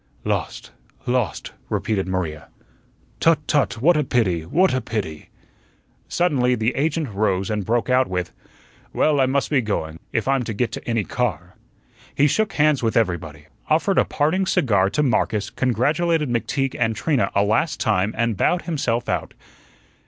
"Lost, lost," repeated Maria. "Tut, tut! What a pity! What a pity!" Suddenly the agent rose and broke out with: "Well, I must be going, if I'm to get any car." He shook hands with everybody, offered a parting cigar to Marcus, congratulated McTeague and Trina a last time, and bowed himself out.